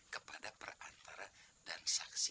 kepada perantara dan saksi